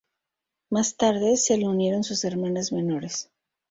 Más tarde, se le unieron sus hermanas menores.